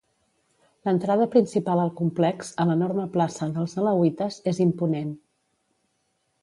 L'entrada principal al complex, a l'enorme plaça dels alauites, és imponent.